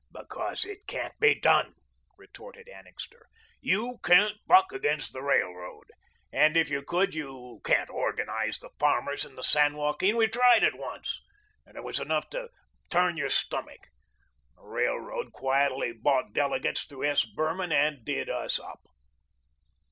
"Because it can't be done," retorted Annixter. "YOU CAN'T BUCK AGAINST THE RAILROAD and if you could you can't organise the farmers in the San Joaquin. We tried it once, and it was enough to turn your stomach. The railroad quietly bought delegates through S. Behrman and did us up."